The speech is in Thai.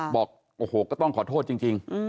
บอกก็ต้องขอโทษจริง